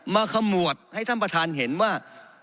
ขมวดให้ท่านประธานเห็นว่า